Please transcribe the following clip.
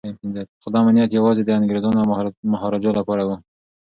خو دا امنیت یوازې د انګریزانو او مهاراجا لپاره و.